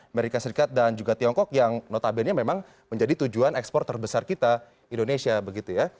amerika serikat dan juga tiongkok yang notabene memang menjadi tujuan ekspor terbesar kita indonesia begitu ya